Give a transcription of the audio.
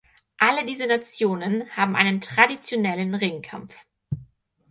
Alle diese Nationen haben einen traditionellen Ringkampf.